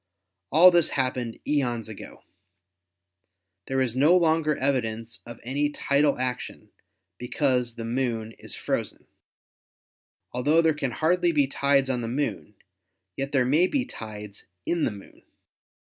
All this happened eons ago. There is no longer evidence of any tidal action, because the Moon is frozen. Altho there can hardly be tides on the Moon, yet there may be tides in the Moon.